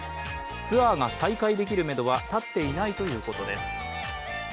ツアーが再開できるめどは立っていないということです。